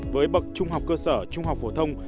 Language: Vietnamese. với bậc trung học cơ sở trung học phổ thông